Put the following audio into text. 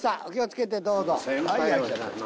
お気を付けてどうぞ。